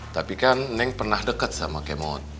tapi kan neng pernah dekat sama kemut